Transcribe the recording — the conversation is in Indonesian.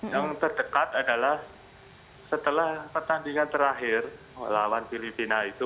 yang terdekat adalah setelah pertandingan terakhir lawan filipina itu